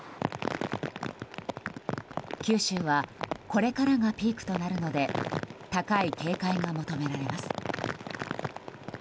九州はこれからがピークとなるので高い警戒が求められます。